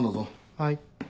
はい。